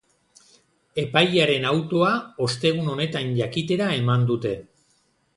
Epailearen autoa ostegun honetan jakitera eman dute.